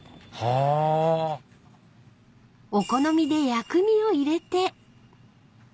［お好みで薬味を入れて］